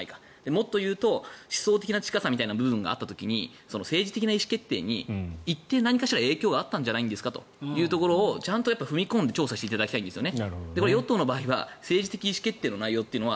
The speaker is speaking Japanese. もっと言うと思想的な近さというのがあった時に政治的な意思決定に何かしらの影響があったんじゃないですかというところにちゃんと踏み込んで調査していただきたいんですよね。